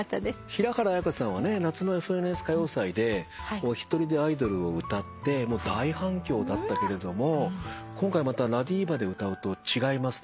平原綾香さんはね夏の『ＦＮＳ歌謡祭』でお一人で『アイドル』を歌って大反響だったけれども今回またＬＡＤＩＶＡで歌うと違いますでしょ？